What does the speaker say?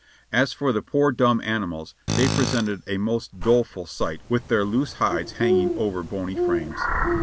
As for the poor dumb animals, they presented a most doleful sight with their loose hides hanging over bony frames.